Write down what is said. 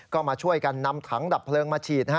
ก็มาช่วยกันนำถังดับเพลิงมาฉีด